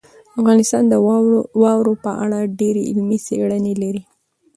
افغانستان د واورو په اړه ډېرې علمي څېړنې لري.